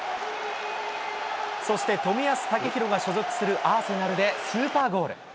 そして、冨安健洋が所属するアーセナルで、スーパーゴール。